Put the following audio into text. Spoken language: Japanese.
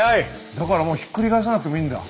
だからもうひっくり返さなくてもいいんだ。